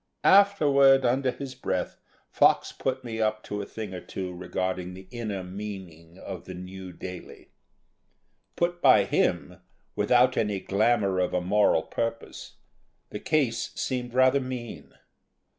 Afterward, under his breath, Fox put me up to a thing or two regarding the inner meaning of the new daily. Put by him, without any glamour of a moral purpose, the case seemed rather mean.